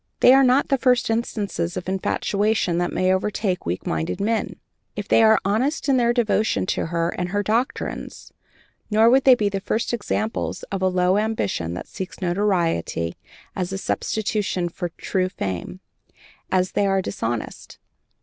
They are not the first instances of infatuation that may overtake weak minded men, if they are honest in their devotion to her and her doctrines; nor would they be the first examples of a low ambition that seeks notoriety as a substitute for true fame, if they are dishonest.